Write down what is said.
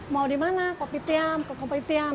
mau dimana kopi tiam kopi tiam